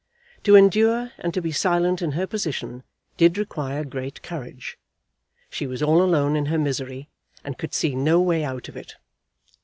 To endure and to be silent in her position did require great courage. She was all alone in her misery, and could see no way out of it.